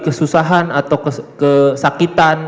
kesusahan atau kesakitan